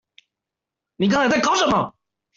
你剛才在搞什麼？